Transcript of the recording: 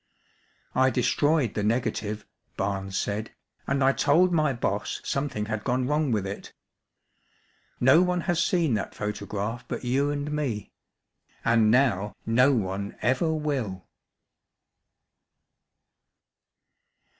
"I destroyed the negative," Barnes said, "and I told my boss something had gone wrong with it. No one has seen that photograph but you and me, and now no one ever will."